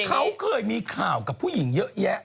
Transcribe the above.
เขาเคยมีข่าวกับผู้หญิงเยอะแยะ